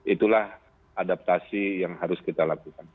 itulah adaptasi yang harus kita lakukan